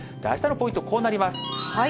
あしたのポイント、こうなります。